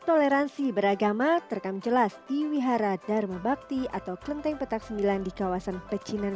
toleransi beragama terekam jelas di wihara dharma bakti atau klenteng petak sembilan di kawasan pecinan